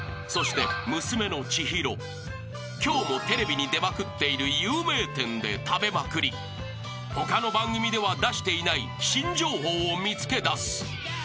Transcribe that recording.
［今日もテレビに出まくっている有名店で食べまくり他の番組では出していない新情報を見つけだす］